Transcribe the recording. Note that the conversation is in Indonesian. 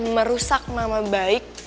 merusak nama baik